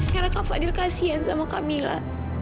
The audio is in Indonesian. karena kak fadhil kasihan dengan camilla